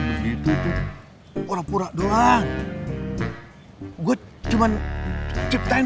selama ini juga kan